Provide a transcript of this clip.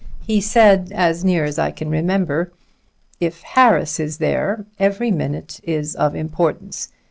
He said, as near as I can remember: 'If Harris is there, every minute is of importance.